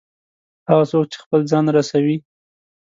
هغه څوک چې خپل ځان رسوي.